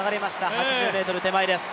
８０ｍ手前です。